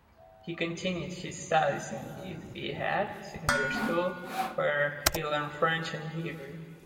He continued his studies in Ettehad secondary school, where he learned French and Hebrew.